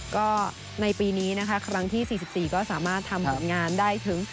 ก็ในปีนี้นะคะครั้งที่๔๔ก็สามารถทำผลงานได้ถึง